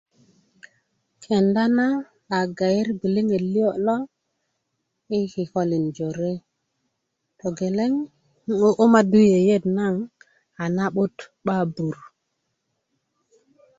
kenda na a gayer gwiliŋet liyo lo i kikölin jore togeleŋ 'n 'du'dumadu yeiyet naŋ a na'but 'ba bur